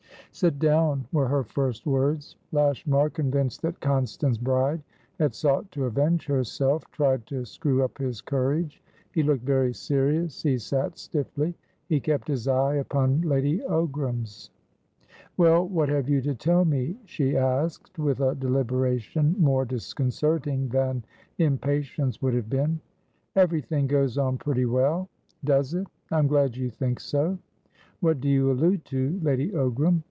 "Sit down," were her first words. Lashmar, convinced that Constance Bride had sought to avenge herself, tried to screw up his courage. He looked very serious; he sat stiffly; he kept his eye upon Lady Ogram's. "Well, what have you to tell me?" she asked, with a deliberation more disconcerting than impatience would have been. "Everything goes on pretty well" "Does it? I'm glad you think so." "What do you allude to, Lady Ogram?"